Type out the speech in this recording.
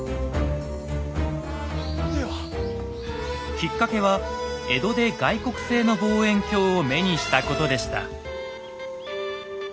きっかけは江戸で外国製の望遠鏡を目にしたことでした。